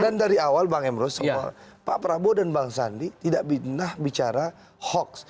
dan dari awal bang emro semua pak prabowo dan bang sandi tidak benar bicara hoax